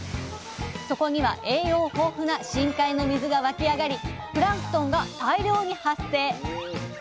そこには栄養豊富な深海の水が湧き上がりプランクトンが大量に発生。